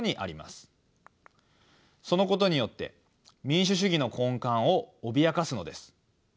そのことによって民主主義の根幹を脅かすのです。